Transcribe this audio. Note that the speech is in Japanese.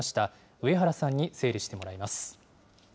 上原さんに整理してもらいます。